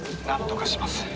何とかします。